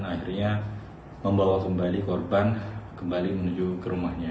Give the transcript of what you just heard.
akhirnya membawa kembali korban kembali menuju ke rumahnya